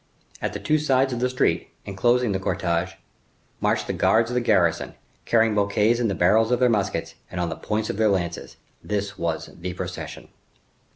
At the two sides of the street, inclosing the cortege, marched the guards of the garrison, carrying bouquets in the barrels of their muskets and on the points of their lances. This was the procession.